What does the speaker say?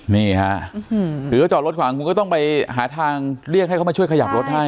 นี่ฮะคือเขาจอดรถขวางคุณก็ต้องไปหาทางเรียกให้เขามาช่วยขยับรถให้